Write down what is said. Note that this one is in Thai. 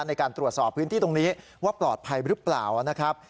ในการตรวจสอบพื้นที่ตรงนี้ว่าปลอดภัยหรือเปล่านะครับ